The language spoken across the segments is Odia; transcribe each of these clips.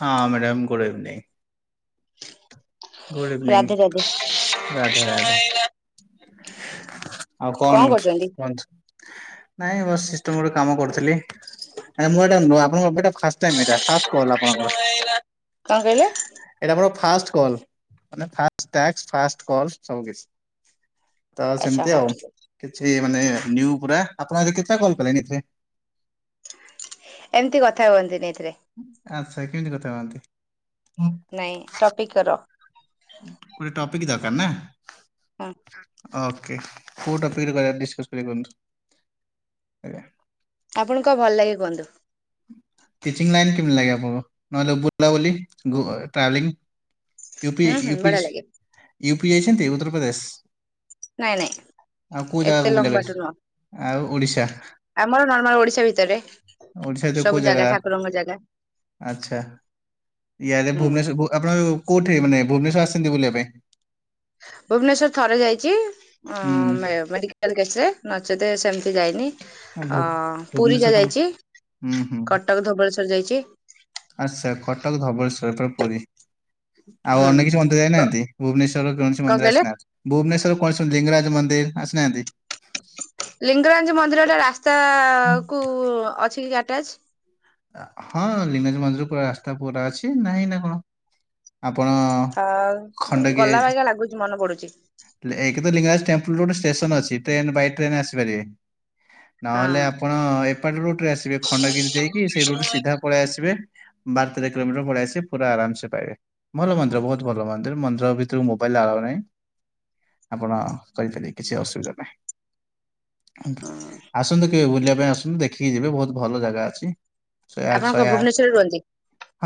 ହଁ, madam good evening. Good evening, Radhe Radhe Radhe Radhe. ଆଉ କଣ କୁହନ୍ତୁ? ନାଇଁ ମୋ ସିଷ୍ଟମ୍ ରୁ କାମ କରୁଥିଲି। ନାଇଁ ମୁଁ ଏଟା ନୂଆ ଆପଣ ଙ୍କ ଏଟା ଫାଷ୍ଟ ଟାଇମ୍ ଏଟା, ଫାଷ୍ଟ କଲ୍ ଆପଣଙ୍କର। କଣ କହିଲେ? ଏଇଟା ମୋର first call. First tax first call ସବୁ କିଛି। ତ ଆଚ୍ଛା ସେମିତି ହଉ ଆଉ। ଠିକ ଅଛି କିଛି ମାନେ ନିଉ ପୁରା। ଆପଣ ଆଜି କେତେଟା କଲ୍ କଲେଣି ଏଥିରେ? ଏମିତି କଥା ହୁଅନ୍ତିନି ଏଥିରେ। ଆଚ୍ଛା, କେମିତି କଥା ହୁଅନ୍ତି? ନାଇଁ ଟପିକ୍ କର। ଗୋଟେ ଟପିକ ଦରକାର ନା। ହଁ ଓକେ, କେଉଁ ଟପିକ୍ କରିବା ଡିସ୍କସ୍ କରିବା କୁହନ୍ତୁ, ଆଜ୍ଞା। ଆପଣ କଣ ଭଲ ଲାଗେ କୁହନ୍ତୁ। ଟଟିଚିଂ ଲାଇନ୍ କିମିତି ଲାଗେ ଆପଣ ଙ୍କୁ, ନହେଲେ ବୁଲାବୁଲି ଗୋ ତାଳି। ୟୁପି, ହୁଁ ହୁଁ ବଢିଆ ଲାଗେ ୟୁପି ଯାଇଛନ୍ତି ଉତ୍ତର ପ୍ରଦେଶ। ନାଇଁ, ନାଇଁ। ଏତେ ଲମ୍ବା ପାଇଁ ଟୁ ନୁହଁ, ଆଉ ଓଡ଼ିଶା ଆମର ନର୍ମାଲ ଓଡିଶା ଭିତରେ ଓଡ଼ିଶା ଭିତରେ କୋଉ ସବୁ ଜାଗା ଠାକୁରଙ୍କ ଜାଗା। ଆଚ୍ଛା ଇଆଡେ ହୁଁ ଭୁବନେଶ୍ୱର ବହୁତ୍। ଆପଣ କୋଉଠି ମାନେ ଭୁବନେଶର ଆସିଛନ୍ତି ବୁଲିବା ପାଇଁ। ଭୁବନେଶ୍ୱର ର ଥରେ ଯାଇଛି ହୁଁ ଉଁ ମେ ମେଡିକାଲ୍ [unintelligible] କେଚେ ନଚତେ ସେମିତି ଯାଇନି। ଆଉ ଅ ଭୁ- ପୁରୀ ଭୁବନେଶ୍ୱର ଯା ତମ ଯାଇଛି, ହୁଁ ହୁଁ କଟକ ଧବଳେଶ୍ଵର ଯାଇଛି। ଆଚ୍ଛା କଟକ ଧବଳେଶ୍ୱର ପରେ ପୁରୀ। ଆଉ ହୁଁ ଅନ୍ୟ କିଛି ମନ୍ଦିର ଯାଇ କଣ ନାହାନ୍ତି ଭୁବନେଶ୍ଵର ର କୌଣସି ମନ୍ଦିର କହିଲେ? ଆସି ନାହାନ୍ତି। ଭୁବନେଶ୍ୱର କୌଣସି ମନ୍ଦିର ଲିଙ୍ଗରାଜ ମନ୍ଦିର ଆସି ନାହାନ୍ତି। ଲିଙ୍ଗରାଜ ମନ୍ଦିରଟା ରାସ୍ତା କୁ ଅଛି କି ଆଟାଚ୍? ହଁ, ଲିିଙ୍ଗ ରାଜ ମନ୍ଦିର ପୁରା ରାସ୍ତା କୁ ପୁରା ଅଛି ନାହିଁ ନା କଣ। ଆପଣ ହ ଗଲା ଖଣ୍ଡଗିରି ବାଗିଆ ଲାଗୁଚି ମନେ ପଡୁଛି। ଏକ ତ ଲିଙ୍ଗରାଜ ଟେମ୍ପଲ ରୋ ଷ୍ଟେସନ ଅଛି ଟ୍ରେନ ବାଇ ଟ୍ରେନ ଆସିପାରେ। ହଁ। ନହେଲେ ଆପଣ ଏପାଟ ରୁଟରେ ଆସିବେ ଖଣ୍ଡଗିରି ଦେଇକି ସେଇ ରୁଟ ସିଧା ପଳେଇ ଆସିବେ ବାର ତେର କିଲୋମିଟର ପଳେଇ ଆସିବେ ପୁରା ଆରାମସ ପାଇବେ ଭଲ ମନ୍ଦିର ବହୁତ ଭଲ ମନ୍ଦିର। ମନ୍ଦର ଭିତରୁ ମୋବାଇଲ୍ ଆଲାଉ ନାହିଁ। ଆପଣ କହି ପାରିବେ କିଛି ଅସୁବିଧା ନାହିଁ। ଆସନ୍ତୁ କେବେ ବୁଲିବା ପାଇଁ ଆସନ୍ତୁ ଦେଖିକି ଯିବେ ବହୁତ ଭଲ ଜାଗା ଅଛି। ଶହେ ଆପଣ ଆଠ, କଣ ଶହେ ଆଠ, ଭୁବନେଶ୍ୱରରେ ରୁହନ୍ତି?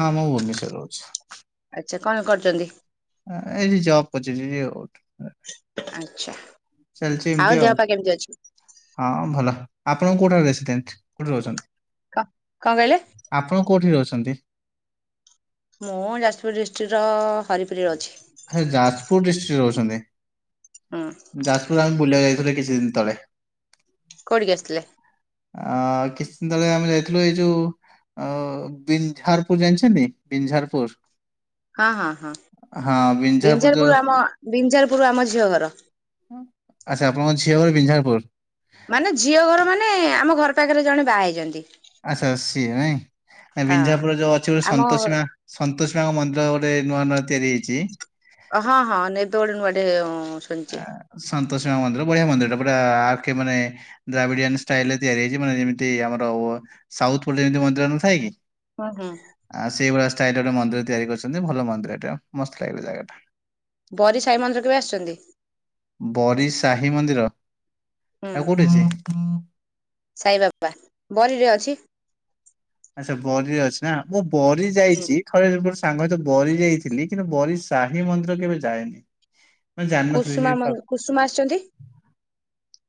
ହଁ, ମୁଁ ଭୁବନେଶ୍ୱର ରେ ରହୁଛି। ଆଚ୍ଛା କଣ କରୁଛନ୍ତି। ଏଇଠି ଜବ କରୁଛି ଯିବି ଆଉ [unintelligible] ଆଚ୍ଛା। ଚାଲିଛି ଏମିତି ଦେହ ଆଉ। ପା କେମିତି ଅଛି? ହଁ। ଭଲ ଆପଣ କୋଉଠାରୁ ରେସିଡେଣ୍ଟ କୋଉଠି ରହୁଛନ୍ତି। କ କଣ କହିଲେ। ଆପଣ କୋଉଠି ରହୁଛନ୍ତି। ମୁଁ ଯାଜପୁର ଡିଷ୍ଟ୍ରିକ୍ଟର ହରି ପୁରରେ ଅଛି। ସେ ଯାଜପୁର ଡିଷ୍ଟ୍ରିକ୍ଟରେ ରହୁଛନ୍ତି। ହୁଁ ଯାଜପୁର ଆମେ ବୁଲିବାକୁ ଯାଇଥିଲୁ କିଛି ଦିନ ତଳେ। କୋଠିକି ଆସିଥିଲେ ଆ କିଛି ଦିନ ତଳେ ଆମେ ଯାଇଥିଲୁ ଏଇ ଯୋଉ ଆ ବିଞ୍ଝାରପୁର ଜାଣିଛନ୍ତିନ ବିଞ୍ଝାରପୁର ହଁ ହଁ ହଁ ହଁ ବିଞ୍ଝାରପୁର ଯୋଉ ବି୍ଜାରପୁର ଆମ ବିଞ୍ଜାରପୁର ଆମ ଝିଅ ଘର ଆଛା ଆପଣଙ୍କ ଝଅରେ ବିଞ୍ଜପୁର ମାନେ ଝିଅ ଘର ମାନେ ଆମ ଘର ପାଖରେ ଜଣେ ବାହା ହେଇଛନ୍ତି ଆଚ୍ଛା ସିଏ ନାଇଁ ହଁ ବିଞ୍ଜାପୁର ଯୋଉ ଅଛି ଗୋଟେ ଆମ ସନ୍ତୋଷୀମା ସନ୍ତୋଷ ବାଙ୍କ ମନ୍ଦିର ଗୋଟେ ନୂଆ ନୂଆ ତିଆରି ହେଇଛି ହଁ ହଁ ନି ଦୌଡଡେ ଶଛିେ ସନ୍ତୋସି ମନ୍ଦିର ବଢିଆ ମନ୍ଦିରଟା ପୁରା ଆେ ମାନେ ଦ୍ରାବିଡିଆ ଷ୍ଟାଇଲ ତିଆରି ହେଇଛି ମାନେ ଯେମିତି ଆମର ସାଉଥ ଯେମିତି ମନ୍ଦିରଞନ ଥା କି ହଁ ହଁ ଆଁ ସେଇଭଳିଆ ଷ୍ଟାଇଲ ର ମନ୍ଦିର ତିଆରି କରିଛନ୍ତି ଭଲ ମନ୍ଦିର ଏଟା ମସ୍ତ ଲାଗିଲା ଜାଗା ଟା। ବରି ସାଇ ମନ୍ଦିର କେବେ ଆସିଚନ୍ତି? ବରି ସାହି ମନ୍ଦିର ହେରା କୋଉଠି ଅଛି? ସାଇବାପା ବରିରେ ଅଛି। ଆଛା ବରିରେ ଅଛି ନା ମୁଁ ବରି ଯାଇଚି। ହୁଁ ଥରେ ମୋର ସାଙ୍ଗ ସହିତ ବରି ଯାଇଥିଲି କିନ୍ତୁ ବରି ସାହି ମନ୍ଦିର କେବେ ଯାଏନି। ମୁଁ ଜାଣିିନଥିଲି କୁସୁମା ସେଇ ପ ମନ୍ଦି କୁସୁମା ଆସିଛନ୍ତି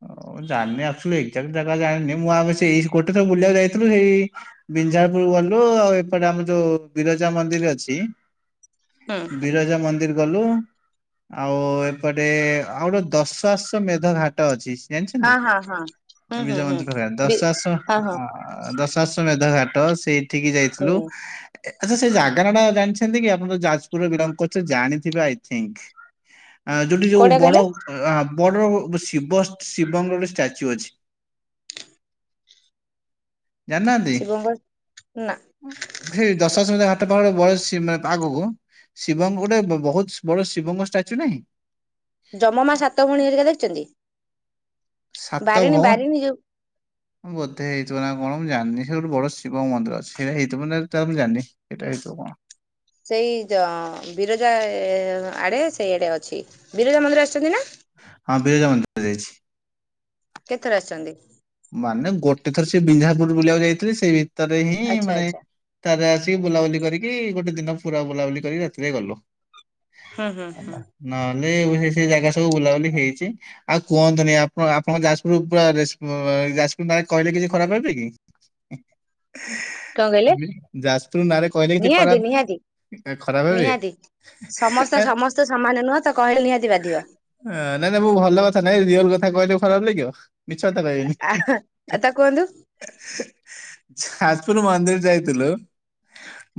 ଓ ମୁଁ ଜାଣିନି ଆକ୍ ଚୁଲି ଏଗ୍ ଜାଟିଲି ଜାଗା ଜାଣିନି ମୁଁ ଆମ ସେଇ ଏଇସି ଗୋଟେ ବୁଲିବାକୁ ଯାଇଥିଲୁ ସେଇ ବିନ୍ଝାରପୁର ଗଲୁ ଆଉ ଏପଟେ ଆମର ଯୋଉ ବିରଜା ମନ୍ଦିର ଅଛି ହୁଁ ବିର ଜା ମନ୍ଦିର ଗଲୁ। ଆଉ ଏପଟେ ଆଉ ଗୋଟେ ଦଶାଶ ମେଧ ଘାଟ ଅଛି। ହଁ ଜାଣିଛନ୍ତି [unintelligible] ହଁ ହଁ ହୁଁ ହୁଁ ହୁଁ ବି ଦଶାଶ ହଁ। ଅ ଦଶାଶ ମେଧଘାଟ ସେଇଠିକି ଯାଇଥିଲୁ। ହୁଁ ଆଚ୍ଛା ସେ ଜାଗା ନା ଟା ଜାଣିଛନ୍ତି କି ଆପଣ ତ ଯାଜପୁରରେ ବିଲଙ୍ଗ କରୁଥୁବେ ଜାଣିଥିବେ ଆଇ ଥିଙ୍କ। ଆ ଯୋଉଠି ଯୋଉ କୋଉଟା କହିଲେ ବଡ ଆ ବଡ ଶିବ ଶିବଙ୍କର ଗୋଟେ ଷ୍ଟାଚ୍ୟୁ ଅଛି। ଶିବଙ୍କ ର ନା ସେଇ ଦଶାଶ ମେଦ୍ଧ ତଳେ [unintelligible] ଆଗକୁ ଶିବ ଙ୍କ ଗୋଟେ ବ-ବହୁତ ବଡ ଶିବଙ୍କ ଷ୍ଟାଚୁ ନାହିଁ। ଜମ ମା ସାତ ଭଉଣୀ ହେରିକା ଦେଇଚନ୍ତି? ସାତ ଭଉ ବାରିଣୀ ଯୋଉ ବୋଧେ ହେଇଥିବ ନା କଣ ମୁଁ ଜାଣିନି ସେ [unintelligible] ବଡ ଶିବ ମନ୍ଦିର ଅଛି ସେଇଟା ହେଇଥିବ ନା ସେଟା ମୁଁ ଜାନି। ଏଟା ହେଉଥିବ କଣ? ସେଇ ଜ ବିରଜା ଆଡେ ସେଇ ଆଡେ ଅଛି ବିରଜା ମନ୍ଦିର ଆସିଚନ୍ତି ନା? ହଁ ବିରଜା ମନ୍ଦିର ଯାଇଛି। କେତଥର ଆସିଚନ୍ତି? ମାନେ ଗୋଟେ ଥର ସେଇ ବିନ୍ଝାରପୁର ବୁଲିବାକୁ ଯାଇଥିଲେ ସେଇ ଭିତରେ ହିଁ ଆଚ୍ଛା ମାନେ ଆଚ୍ଛା ତାରେ ଆସିକି ବୁଲାବୁଲି କରିକି ଗୋଟେ ଦିନ ପୁରା ବୁଲାବୁଲି କରି ରାତିରେ ଗଲୁ। ହଁ ହଁ ହଁ। ନହେଲେ ଏବେ ସେଇ ସେଇ ଜାଗା ସବୁ ବୁଲାବୁଲି ହେଇଚି। ଆଉ କୁହନ୍ତୁନି ଆପଣ ଆପଣଙ୍କ ଯାଜପୁର ପୁରା ରେ ଯାଜପୁର ନା କହିଲେ କିଛି ଖରାପ ଭାବୁଚ କି? କଣ କହିଲେ ଯାଜପୁର ନାଁରେ କହିଲେ କିଛି ନିହାତି ଖରାପ ନିହାତି ଖରାପ ନିହାତି ସମସ୍ତେ ଭାବିବେ? ସମସ୍ତେ ସମାନ ନୁହଁ ତ କହିଲେ ନିହାତି ବାଧିବ ହଁ ନାଇଁ ନାଇଁ ମୁଁ ଭଲ କଥା ନାଇଁ ରିଅଲ କଥା କହିଲେ ଖରାପ ଲାଗିବ? ସତ କଇବେନି ହିଁ ହେଁ ଆ ତା କୁହନ୍ତୁ ହେଁ। ଯାଜପୁର ମନ୍ଦିର ଯାଇଥିଲୁ।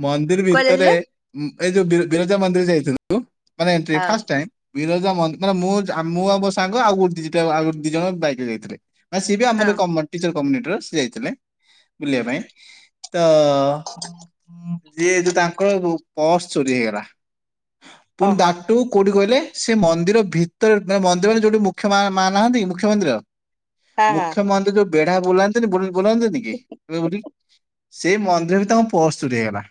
ମନ୍ଦିର୍ ଭିତରେ କୁଆଯାଇଥିଲେ ଉଁ ଏଇ ଯୋଉ ବିର୍-ବିରଜା ମନ୍ଦିର ଯାଇଥିଲୁ। ମାନେ ଏଣ୍ଟ୍ରି ହ ଫାସ ଟାଇମ୍। ବିରଜା ମନ୍ଦିର ମାନେ ମୁଁ ମୁଁ ଆଉ ମୋ ସାଙ୍ଗ ଆଉ ଦିଟା ଆ ଦି ଜଣ ବାଇକରେ ଯାଇଥିଲେ। ଆ ସିଏ ବି ଆମର ହଁ। କମନ୍ ଟିଚର୍ କମୁନିଟ୍ ର ସିଏ ଯାଇଥିଲେ ବୁଲିବା ପାଇଁ। ତ ଯିଏ ଏଇ ଯୋଉ ତାଙ୍କର ପର୍ସ ଚୋରି ହେଇଗଲା। ପୁଣି ଓହୋ ଦାଟୁ କୋଉଟି କଇଲେ? ସେ ମନ୍ଦିର ଭିତରେ ମାନେ ମନ୍ଦିର ମାନେ ଯୋଉଠି ମୁଖ୍ୟ ମାଆ-ମା ନାହାନ୍ତି କି ମୁଖ୍ୟ ମନ୍ଦିର ହଁ ହଁ ମୁଖ୍ୟ ମନ୍ଦିର ଯୋଉ ବେଢା ବୁଲାନ୍ତିନି ବୁ-ବୁନାନ୍ତିନି କି [unintelligible] ସେଇ ମନ୍ଦିର [unintelligible] ତାଙ୍କ ପର୍ସ ଚୋରି ହେଇଗଲା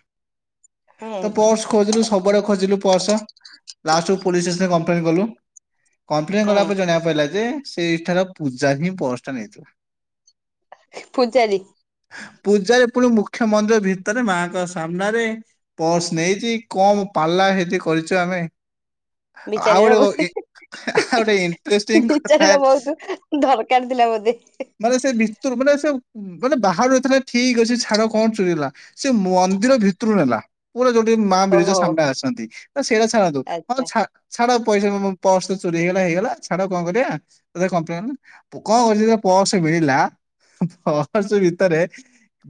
ହୁଁ ତ ପର୍ସ ଖୋଜିଲୁ ସବୁଆଡେ ଖୋଜିଲୁ ପର୍ସ ଲାଷ୍ଟକୁ ପୋଲିସ୍ ଷ୍ଟେସନରେ କମ୍ପ୍ଲେନ କଲୁ। କମ୍ପ୍ଲେନ୍ କଲାପରେ ହୁଁ ଜଣିବାକୁ ପାଇଲା ଯେ ସେଇ ଠାର ପୂଜା ହିଁ ପର୍ସ ଟା ନେଇଥିଲା। ପୂଜାରୀ ପୂଜାରି ପୁଣି ମୁଖ୍ୟ ମନ୍ଦିର ଭିତରେ ମା ଙ୍କ ସାମ୍ନାରେ। ପର୍ସ ନେଇଛିି କମ ପାଲା ସେଠି କରିଛେ ଆମେ। ଆଉ ବିଚାରୀର ବୋଧେ ଗୋଟେ କ ଇ ଆଉ ଗୋଟେ ଇଣ୍ଟରେସ୍ଟିଙ୍ଗ କଥା। ବିଚାରୀର ବହୁତ ଦରକାର ଥିଲା ବୋଧେ ହେଁ ହୁଁ। ମାନେ ସେ ଭିତରୁ ମାନେ ସେ। ମାନେ ବାହାରୁ ନେଇଥିଲା ଠିକ ଅଛି ଛାଡ କଣ ଚୁୁରେଇଲା ସେ ମନ୍ଦିର ଭିତରୁ ନେଲା। ପୁରା ଯୋଉଠି ମା ବିରଜା ଓହୋ ସାମ୍ନା ରେ ଆଛନ୍ତି ତ ସେଇଟା ଛାଡ଼ନ୍ତୁ ହଁ ଆଚ୍ଛା ଛା ଛାଡ ପଇସା ତ ମୋ ପର୍ସ ତ ଚୋରି ହେଇଗଲା ହେଇଗଲା ଛାଡ କଣ କରିବା ଏ କ୍ଲମ୍ପେନ। କଣ କରଛି ଯେତେ ବେଳେ ପର୍ସ ମିଳିଲା ପର୍ସ ଭିତରେ।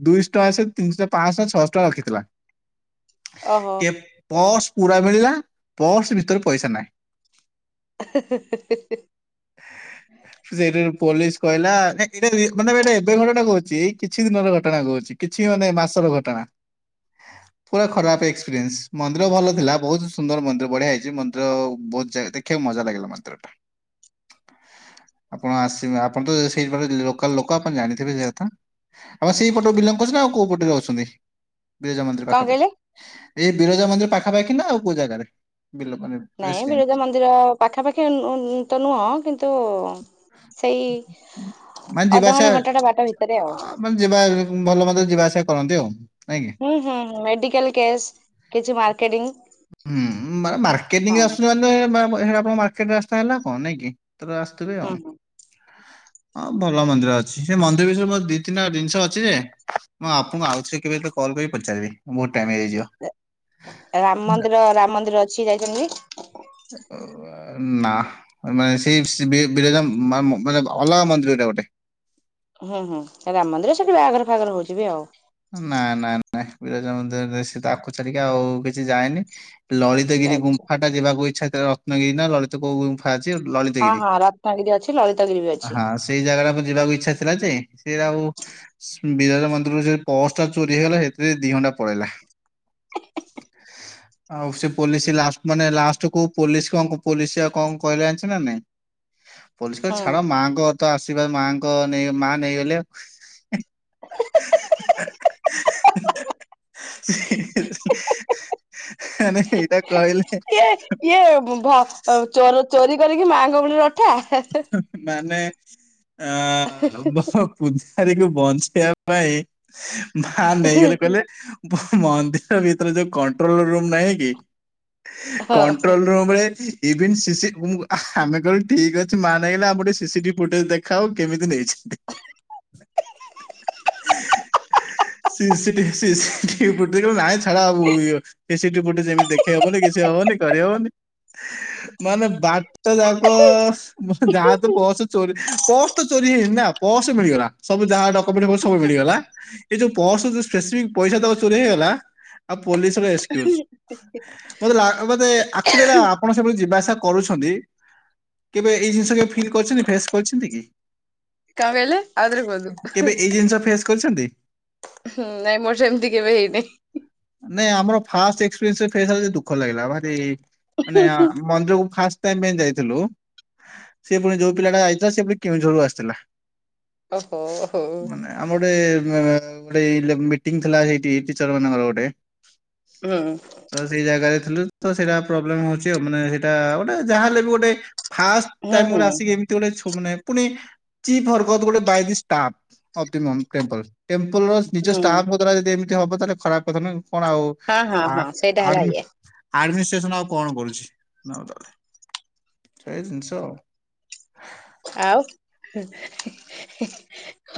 ଦୁଇଶ ଟଙ୍କା ସେ ତିନିଶ ପାଆଁଶ ଛଅଶ ଟଙ୍କା ରଖିଥିଲା। ଓହୋ ଏ ପର୍ସ ପୁରା ମିଳିଲା ପର୍ସ ଭିତରେ ପଇସା ନାହିଁ। ଏ ହେ ହେ ହେ ହେ ହେ। ସେଇଠିରୁ ପୋଲିସ କହିଲା ନା ଏଇଟା ରି ମାନେ ଏଇଟା ଏବେ ଘଟଣା କହୁଛି କିଛି ଦିନର ଘଟଣା କହୁଛି। କିଛି ମାନେ ମାସର ଘଟଣା। ପୁରା ଖରାପ ଏକ୍ସପିରିଏନ୍ସ ମନ୍ଦିର ଭଲ ଥିଲା ବହୁତ ସୁନ୍ଦର ମନ୍ଦିର ବଢିଆ ହେଇଛି ମନ୍ଦିର ବହୁତ ଜାଗା ଦେଖିବାକୁ ମଜା ଲାଗିଲା। ମନ୍ଦିର ଟା। ଆପଣ ଆସିବେ ଆପଣ ତ ସେଇପଟ ଲୋକାଲ ଲୋକ ଆପଣ ଜାଣିଥିବେ ସେ ଜାଗା ଟା। ହଁ ସେଇ ପଟରୁ ବିଲଙ୍ଗ କରୁ ଛନ୍ତି ନା ଆଉ କୋଉ ପଟେ ଯାଉଛନ୍ତି। ବିରଜା ମନ୍ଦିର କଣ ପାଖା କହିଲେ? ପାଖି ଏଇ ବିରଜା ମନ୍ଦିର ପାଖାପାଖି ନା ଆଉ କୋଉ ଜାଗାରେ ବିଲଙ୍ଗ ମାନେ। ନାଇଁ ରେସିଡେଣ୍ଟ ବିରଜା ମନ୍ଦିର ପାଖା ପାଖି ଉଁନ ଉଁନ ତ ନୁହଁ କିନ୍ତୁ। ସେଇ ମାନେ ଯିବା ଆସିବା ଅଧଘଣ୍ଟା ଘଣ୍ଟା ଟା ବାଟ ଭିତରେ ଆଉ। ମାନେ ଯିବା ଭଲ ମନ୍ଦରେ ଯିବା ଆସିବା କରନ୍ତି ଆଉ ନାଇଁ କିି। ହୁଁ ହୁଁ ହୁଁ ମେଡିକାଲ କେସ୍ କିଛି ମାର୍କେଟିଂ। ହୁଁ ମାନେ ମାର୍କେଟିଂ ହଁ ଆସୁଛନ୍ତି ମାନେ ସେଟା ଆପଣ ଙ୍କ ମାର୍କେ୍ଟ ରାସ୍ତା ହେଲା କଣ ନାଇଁ କି ତ ରେ ହୁଁ ଆଉ ହୁଁ ହଁ ଭଲ ମନ୍ଦିର ଅଛି ସେ ମନ୍ଦିର ବିଷୟରେ ମୋର ଦି ତିନିଟା ଜିନିଷ ଅଛି ଯେ। ମୁଁ ଆପଣ ଙ୍କୁ ଆଉ ଥରେ କେବେ ଯେତେବେଳେ କଲ୍ କରିବି ପଚାରିବି ବହୁତ ଟାଇମ ହେଇ ଯିବ। ରାମ ମନ୍ଦିର ରାମ ମନ୍ଦିର ଅଛି ଯାଇଛନ୍ତି। ହ ନା ମାନେ ସେଇ ସ୍ ବି ବିରଜା ମା ମ ମାନେ ଅଲଗା ମନ୍ଦିର ଟା ଗୋଟେ। ହୁଁ ହୁଁ ରାମ ମନ୍ଦିର ସେଠି ବାହାଘର ଫାଘର ହଉଛିି ବି ଆଉ। ନା ନା ନାଇଁ ବିରାଜା ମନ୍ଦିର ଯାଇଛି ତ ଆକୁ ଛାଡିକି ଆଉ କିଛି ଯାଇନି। ଲଳିତଗିରି ଆଚ୍ଛା ଗୁଫା ଟା ଯିବାକୁ ଇଚ୍ଛା ଥିଲା ରତ୍ନଗିରି ନା ଲଳିତ। କୋଉ ଗୁମ ଅଛି ହଁ ଲଳିତଗିରି ହଁ ରତ୍ନଗିରି ଅଛି ଲଳିତଗିରି ବି ଅଛି ହଁ। ସେଇ ଜାଗା ଟାକୁ ଯିବାକୁ ଇଚ୍ଛା ଥିଲା ଯେ ସେ ଆଉ ବିରଜା ମନ୍ଦିରରୁ ସେ। ପର୍ସ ଟା ଚୋରି ହେଇଗଲା ସେଥିରେ ଦି ଘଣ୍ଟା ପଳେଇଲା। ଆଉ ସେ ପୋଲିସି ଲାସ ମାନେ ଲାଷ୍ଟ କୁ ପୋଲିସ କଁ କୁ ପୋଲିସି ଆଉ କଁ କହିଲା ଜଣିଛନ୍ତି ନା ନାଇଁ। ପୋଲିସ କହିଲା ହଁ। ଛାଡ ମା ଙ୍କ ତ ଆଶିର୍ବାଦ ମା ଙ୍କ ନେଇ ମା ନେଇ ଗଲେ ଆଉ। [inaudible] ଆରେ ଏଇଟା। କହିଲେ ଇଏ ଇଏ ଭ ଅ ଚୋ ଚୋରି କରିକି ମାଆଙ୍କ ଭୋଳିବ। ମାନେ ଆ ବ ପୂଜାରୀକୁ ବଞ୍ଚେଇବା ପାଇଁ ମା ନେଇଗଲେ କହିଲେ। ମ ମନ୍ଦିର ଭିତରେ ଯୋଉ କଣ୍ଟ୍ରୋଲ ରୁମ୍ ନାହିଁ କି। ହଁ। କଣ୍ଟ୍ରୋଲ ରୁମରେ ଇଭିନ୍ ସି ସି ମୁଁ ଆମେ କହିଲୁ। ଠିକ୍ ଅଛି ମା ନେଇଗଲେ ଆମ କୁ ଟିକେ ସିସି ଟିଭି ଫୁଟେଜ ଦେଖାଅ କେମିତି ନେଇଛନ୍ତି। [inaudible] ସିସି ଟିଭି ସିସି ଫୁଟ ଦେଖେ କହିଲେ ନାହିଁ ଛାଡା ଆଉ ଇଏ। ସିସି‌ ଟିଭି ଫୁଟେଜ ଏମିତି ଦେଖେଇ ହବନି କିଛି ହବନି କରି ହବନି। ମାନେ ବାଟ ଯାଙ୍କ। ଯାହା ତ ପସ ଚୋରି ପସ ତ ଚୋରି ହେଇନି ନା ପର୍ସ ମିଳିଗଲା ସବୁ ଯାହା ଡ କୋମେଣ୍ଟ ସବୁ ମିଳିଗଲା ଏଇ ଯୋଉ ପର୍ସ ରୁ ଯୋଉ ସ୍ପେସିଫିକ ପଇସା ତକ ଚୋରି ହେଇଗଲା ଆଉ ପୋଲିସ। ଏସ୍କ୍ୟୁଜ୍‌ ମତେ ଲାଘ ପଦେ ଆକ୍‌ଚ୍ବାଲି ଏଟା ଆପଣ ସେପଟେ ଯିବା ଆସିବା କରୁଛନ୍ତି। କେବେ ଏଇ ଜିନିଷ କେବେ ଫିଲ୍ କରିଛନ୍ତି ଫେସ୍ କରିଛନ୍ତି କି କଣ କହିଲେ ଆଉଥରେ କୁହନ୍ତୁ? କେବେ ଏଇ ଜିନିଷ ଫେସ୍ କରିଛନ୍ତି ହୁଁ ନାଇଁ ମୋର ସେମିତି କେବେ ହେଇନି ନାଇଁ ଆମର ଫାଷ୍ଟ ଏକ୍ସପ୍ରେନସ୍ଦରେ ଫେଲ୍ ହେଲା ଯେ ଦୁଃଖ ଲାଗିଲା ଭାରି ମାନେ ମନ୍ଦିରକୁ ଫାଷ୍ଟ ଟାଇମ ପାଇଁ ଯାଇଥିଲୁ। ସେ ପୁଣି ଯୋଉ ପିଲାାଟାଇଥିଲା ସେ ପୁଣି କେଉଁଝରରୁ ଆସିଥିଲା। ଓହୋ ହୋ। ମାନେ ଆମର ଗୋଟେ ଗୋଟେ ଇଲ ମିଟିଂ ଥିଲାସେଠିଟିଚର ମାନଙ୍କର ଗୋଟେ ରାଉ। ତ ସେଇ ଜାଗାରେ ଥିଲୁ ତ ସେଇଟା ପ୍ରୋବ୍ଲେମ ହଉଛି ଆଉ ମାନେ ସେଇଟା ଗୋଟେ ଯାହା ହେଲେ ବି ଗୋଟେ ଫାଷ୍ଟ ହୁଁ ହୁଁ ଟାଇମି ହୁଁ। ଗୋଟେ ଆିସିକି ଏମିତି ଗୋଟେ ଛୁଟି ନାହିଁ ପୁଣି ଚି ପର୍ବତ ଗୋଟେ ବାଇକ୍ ଷ୍ଟାମ୍ପ୍ ଅବ ଦି ମୁ ଚେମ୍ପୁଲ୍‌ ଚେମ୍ପୁଲର ନିଜ ଷ୍ଟାଫ ଦ୍ଵାରା ଯଦି ଏମିତି ହବ ତାହେଲେ ଖରାପ କଥା ନୁହ କଣ ଆଉ ହଁ ହଁ ହଁ ସେଇଟା ହେଲା ଇଏ ଆଡମିନିଷ୍ଟ୍ରେସନ ଆଉ କଣ କରୁଛି ତାହଲେ ସେଇ ଜିନିଷ ଆଉ ଆଉ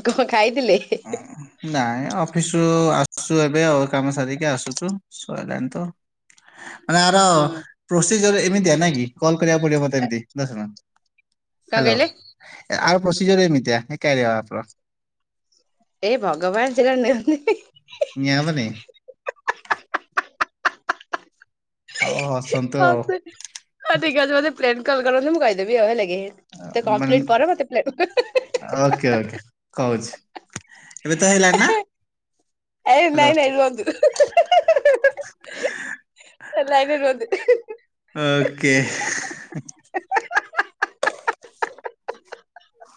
କଅଁ ଖାଇଥିଲେ। ଓ। ନାଇଁ ଅଫିସରୁ ଆସୁଛୁ ଏବେ ଆଉ କାମ ସାରିକି ଆସୁଛୁ ସଇଲାଣିତ। ମାନେ ଆର ହୁଁ ପ୍ରୋସିଜର ଏମିତିଆ ନାଇଁ କି? କଲ୍ କରିବାକୁ ପଡିବ ମତେ କଣ ଏମିତି ଦଶଣ ହ୍ୟାଲୋ। କହିଲେ ଆଉ ପ୍ରୋସିଜର ଏମିତିଆ ଏକାରିଆପ। ଏ ଭଗବାନ ସେଟା ନିଅନ୍ତି। ନିଆ ଅବନି? ହଉ ଅସ୍। ହଁ ଠିକ୍‌ ଆଦିକା ଯଦି ପ୍ଳେନ କଲ କରନ୍ତି ମୁଁ କହିଦେବି ଆଉ ହେଲାକି। ତ ମାନେ କମ୍ପ୍ଲିଟ୍ ପରେ ମତେ ପ୍ଲେ ଏ ଓକେ ଓକେ କହୁଛି। ଏବେ ତ ହେଇଲଣିି ନା ଏ ହ୍ୟାଲୋ ନାଇଁ ନାଇଁ ରୁହନ୍ତୁ ଲାଇନରେ ରୁହନ୍ତୁ ଓକେ